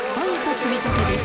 積み立てです。